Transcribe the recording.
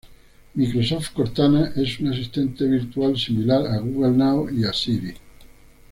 Microsoft Cortana es un asistente virtual similar a Google Now y a Siri.